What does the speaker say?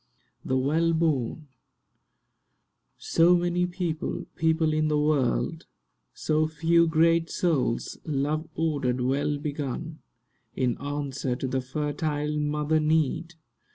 THE WELL BORN SO many people—people—in the world; So few great souls, love ordered, well begun, In answer to the fertile mother need!